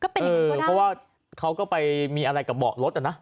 เพราะว่าเขาก็ไปมีอะไรกับเบาะรถอ่ะนะ